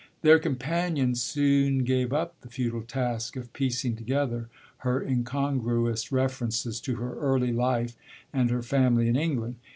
Their companion soon gave up the futile task of piecing together her incongruous references to her early life and her family in England.